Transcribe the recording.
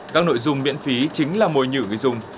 các nội dung miễn phí chính là mồi nhử người dùng